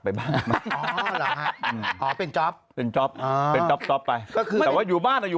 ไปบ้านอ๋อเป็นจ๊อปเป็นจ๊อปเป็นจ๊อปไปแต่ว่าอยู่บ้านอยู่